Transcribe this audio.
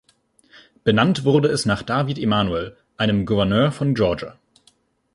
Benannt wurde es nach David Emanuel, einem Gouverneur von Georgia.